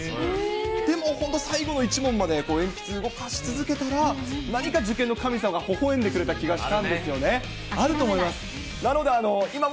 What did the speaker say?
でも本当、最後の１問まで、鉛筆動かし続けたら、何か受験の神様がほほえんでくれた気がしたんですよね。